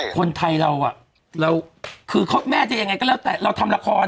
คนไทยเราคือแม่จะยังไงก็แล้วแต่เราทำละคร